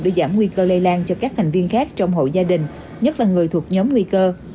để giảm nguy cơ lây lan cho các thành viên khác trong hộ gia đình nhất là người thuộc nhóm nguy cơ